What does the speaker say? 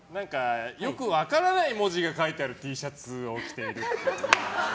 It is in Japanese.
よく分からない文字が書いてあるＴシャツを着ているっぽい。